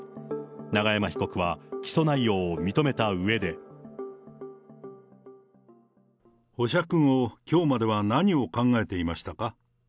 永山被告は起訴内容を認めたうえ保釈後、きょうまでは何を考えていましたか？